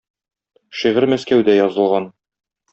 Шигырь Мәскәүдә язылган.